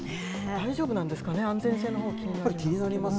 大丈夫なんですかね、安全性のほう、気になります。